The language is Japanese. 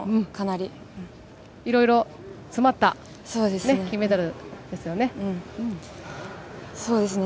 いろいろ詰まった金メダルでそうですね。